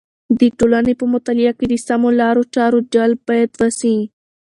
د ټولنې په مطالعه کې د سمو لارو چارو جلب باید وسي.